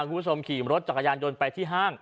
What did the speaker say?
คุณผู้ชมขี่รถจักรยานยนต์ไปที่ห้าง